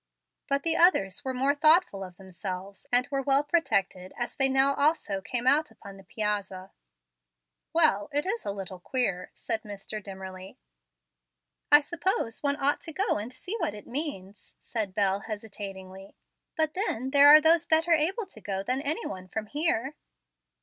But the others were more thoughtful of themselves, and were well protected as they now also came out upon the piazza. "Well, it is a little queer," said Mr. Dimmerly. "I suppose one ought to go and see what it means," said Bel, hesitatingly. "But then there are those better able to go than any one from here."